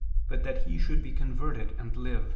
and not that he should be converted and live?'